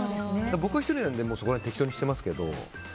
僕は１人なのでそこら辺は適当にしてますけど。